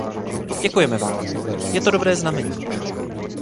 Děkujeme vám; je to dobré znamení.